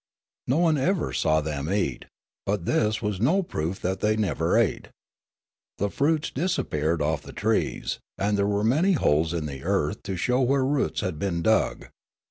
No one ever saw them eat ; but this was no proof that they never ate. The fruits disappeared off the trees ; and there were many holes in the earth to show where roots had been dug.